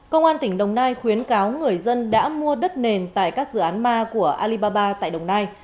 công an tỉnh đồng nai khuyến cáo người dân đã mua đất nền tại các dự án ma của alibaba tại đồng nai